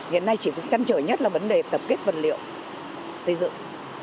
hiện nay chỉ cũng chăn trở nhất là vấn đề tập kết vật liệu xây dựng